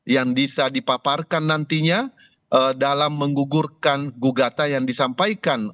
yang bisa dipaparkan nantinya dalam menggugurkan gugatan yang disampaikan